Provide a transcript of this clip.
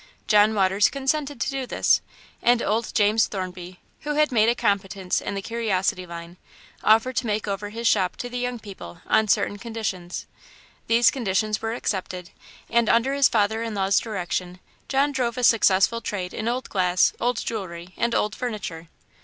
John Waters consented to do this, and old James Thornby, who had made a competence in the curiosity line, offered to make over his shop to the young couple on certain conditions; these conditions were accepted, and under his father in law's direction John drove a successful trade in old glass, old jewellery, and old furniture.